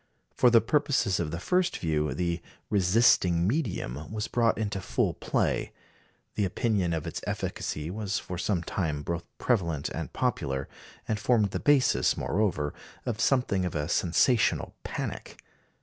For the purposes of the first view the "resisting medium" was brought into full play; the opinion of its efficacy was for some time both prevalent and popular, and formed the basis, moreover, of something of a sensational panic.